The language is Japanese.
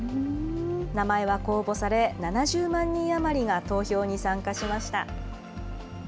名前は公募され、７０万人余りが投票に参加しました。